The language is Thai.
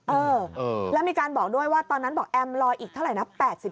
เออแล้วมีการบอกด้วยว่าตอนนั้นบอกแอมรออีกเท่าไหร่นะ